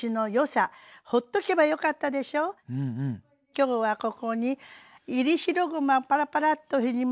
今日はここに煎り白ごまをパラパラッと振ります。